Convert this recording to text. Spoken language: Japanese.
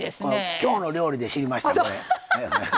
「きょうの料理」で知りました。